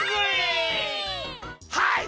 はい！